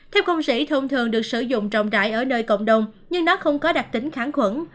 thép không rỉ thông thường được sử dụng trọng đại ở nơi cộng đồng nhưng nó không có đặc tính kháng khuẩn